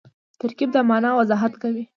ترکیب د مانا وضاحت کوي.